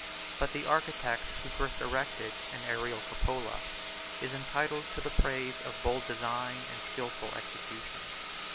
But the architect who first erected an aerial cupola, is entitled to the praise of bold design and skilful execution.